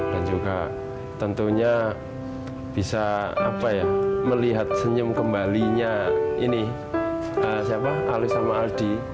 dan juga tentunya bisa melihat senyum kembalinya alif dan aldi